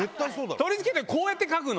取り付けてこうやって書くの？